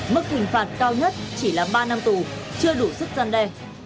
mức hình phạt cao nhất chỉ là ba năm tù chưa đủ sức gian đe